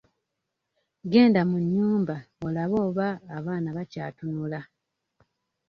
Genda mu nnyumba olabe oba abaana bakyatunula.